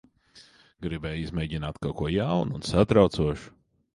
Gribēju izmēģināt kaut ko jaunu un satraucošu.